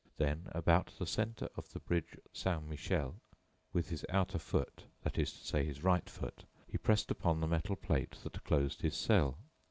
Then, about the centre of the bridge Saint Michel, with his outer foot, that is to say, his right foot, he pressed upon the metal plate that closed his cell.